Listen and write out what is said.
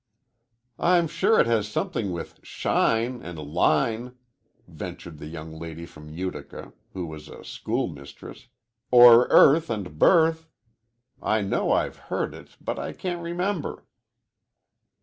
"I'm sure it has something with 'shine' and 'line,'" ventured the young lady from Utica, who was a school mistress, "or 'earth' and 'birth.' I know I've heard it, but I can't remember."